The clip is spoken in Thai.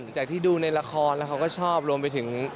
จากที่ดูในละครแล้วเขาก็ชอบรวมไปถึง